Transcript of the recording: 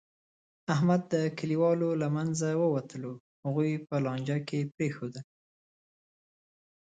احمد د کلیوالو له منځه ووتلو، هغوی په لانجه کې پرېښودل.